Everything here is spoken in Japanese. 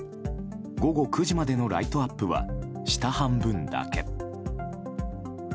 午後９時までのライトアップは下半分だけ。